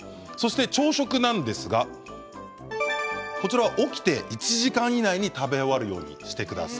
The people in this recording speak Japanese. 朝食なんですがこちらは起きてから１時間以内に食べ終わるようにしてください。